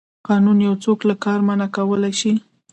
قانون یو څوک له کار منع کولی شي.